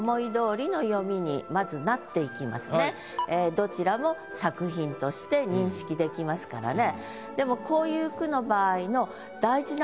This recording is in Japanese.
どちらも作品として認識できますからね。